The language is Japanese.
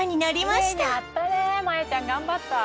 まやちゃん頑張った」